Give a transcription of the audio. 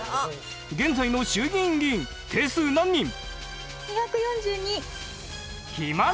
現在の衆議院議員定数何人？